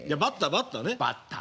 バッターねえ。